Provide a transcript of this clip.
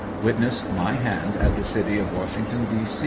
Witness my hand, at the City of Washington, D.